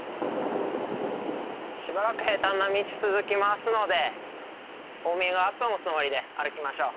しばらく平たんな道続きますのでウォーミングアップのつもりで歩きましょう。